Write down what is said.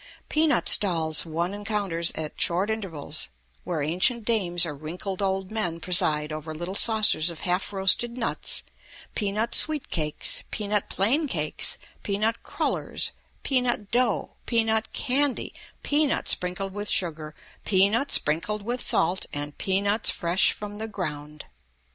Peanut stalls one encounters at short intervals, where ancient dames or wrinkled old men preside over little saucers of half roasted nuts, peanut sweet cakes, peanut plain cakes, peanut crullers, peanut dough, peanut candy, peanuts sprinkled with sugar, peanuts sprinkled with salt, and peanuts fresh from the ground.